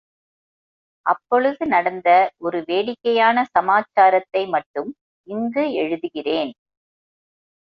அப்பொழுது நடந்த ஒரு வேடிக்கையான சமாச்சாரத்தை மட்டும் இங்கு எழுதுகிறேன்.